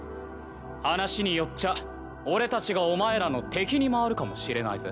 話によっちゃ俺たちがお前らの敵に回るかもしれないぜ。